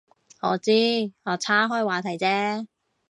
我知，我岔开话题啫